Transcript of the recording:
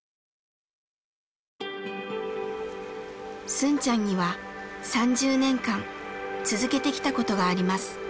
スンちゃんには３０年間続けてきたことがあります。